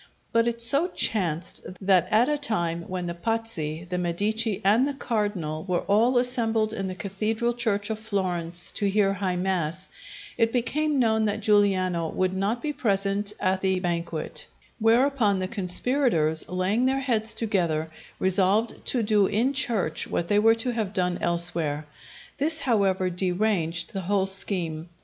But it so chanced that at a time when the Pazzi, the Medici, and the Cardinal were all assembled in the cathedral church of Florence to hear High Mass, it became known that Giuliano would not be present at the banquet; whereupon the conspirators, laying their heads together, resolved to do in church what they were to have done elsewhere. This, however, deranged the whole scheme.